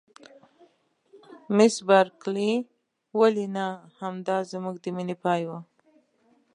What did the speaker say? مس بارکلي: ولې نه؟ همدای زموږ د مینې پای و.